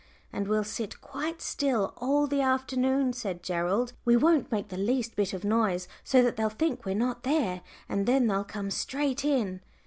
"And we'll sit quite still all the afternoon," said Gerald; "we won't make the least bit of noise, so that they'll think we're not there, and then they'll come straight in."